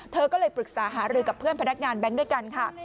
เธอก็เลยปรึกษาหารือกับเพื่อนพนักงานแบงค์ด้วยกันค่ะ